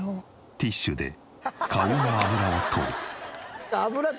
ティッシュで顔の脂を取る。